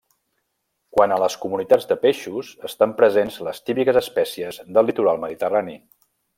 Quant a les comunitats de peixos, estan presents les típiques espècies del litoral mediterrani.